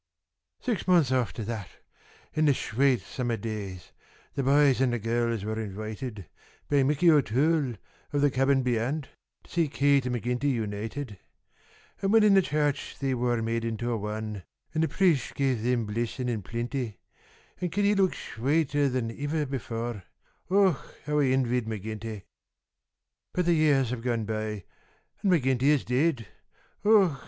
Six months afther that, in the shwate summer days, The boys an' the girls wor' invoited By Micky O'Toole, ov the cabin beyant, To see Kate an' McGinty unoited; An' whin in the church they wor' made into wan, An' the priesht gave thim blissin's in plinty, An' Kitty look'd shwater than iver before Och! how I invied McGinty! But the years have gone by, an' McGinty is dead! Och!